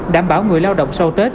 đảm bảo người lao động sau tết